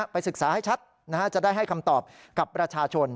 ศึกษาให้ชัดจะได้ให้คำตอบกับประชาชน